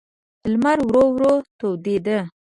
لمر ورو ورو تودېده.